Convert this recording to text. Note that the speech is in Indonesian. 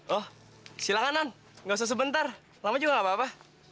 oh silakan an gak usah sebentar lama juga gak apa apa